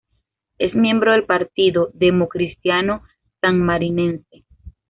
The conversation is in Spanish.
Es miembro del Partido Democristiano Sanmarinense.